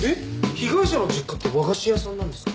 被害者の実家って和菓子屋さんなんですか？